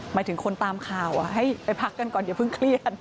หมายถึงคนตามข่าวให้ไปพักกันก่อนอย่าเพิ่งเครียด